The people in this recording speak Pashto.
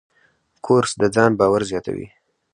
کورس د ځان باور زیاتوي.